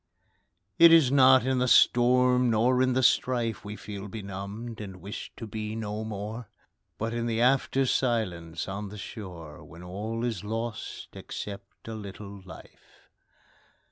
It is not in the storm nor in the strife We feel benumbed, and wish to be no more, But in the after silence on the shore, When all is lost, except a little life.